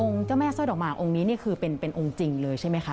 เจ้าแม่สร้อยดอกหมากองค์นี้นี่คือเป็นองค์จริงเลยใช่ไหมคะ